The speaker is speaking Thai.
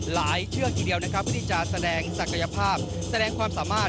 เชือกทีเดียวนะครับเพื่อที่จะแสดงศักยภาพแสดงความสามารถ